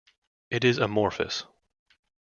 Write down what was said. It is amorphous.